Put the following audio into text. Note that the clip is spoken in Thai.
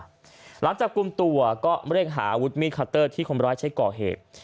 จับกลุ่มตัวก็เร่งหาอาวุธมีดคัตเตอร์ที่คนร้ายใช้ก่อเหตุ